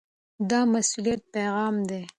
دا د مسؤلیت پیغام دی.